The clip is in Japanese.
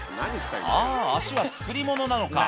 あー、脚は作り物なのか。